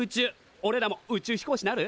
おれらも宇宙飛行士なる？